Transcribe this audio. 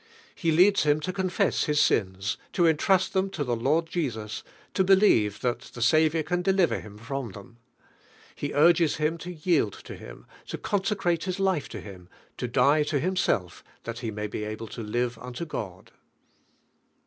He leads him to confess his sins, to entrust them to the Lord Jesus, to be lieve that the Saviour can deliver him from them. He urges liim bo yield la Him, to consecrate his life to Him, to die to himself that he ma.y be able to live nnlo God.